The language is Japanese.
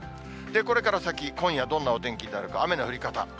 これから先、今夜どんなお天気になるか、雨の降り方。